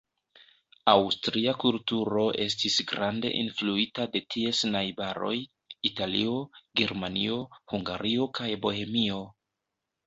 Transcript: Aŭstria kulturo estis grande influita de ties najbaroj, Italio, Germanio, Hungario kaj Bohemio.